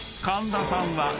［神田さんは］